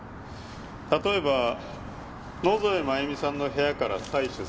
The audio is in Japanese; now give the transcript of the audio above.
例えば野添真由美さんの部屋から採取されたこの毛髪。